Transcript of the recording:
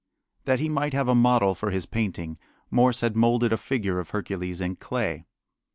That he might have a model for his painting Morse had molded a figure of Hercules in clay.